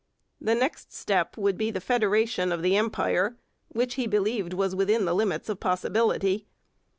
The next step would be the federation of the Empire, which he believed was within the limits of possibility.